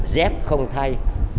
dép không thay